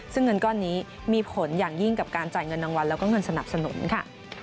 ซึ่งเงินก้อนนี้มีผลอย่างยิ่งกับการจ่ายเงินรางวัลแล้วก็เงินสนับสนุนค่ะ